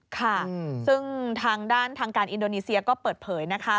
ค่ะซึ่งทางด้านทางการอินโดนีเซียก็เปิดเผยนะคะ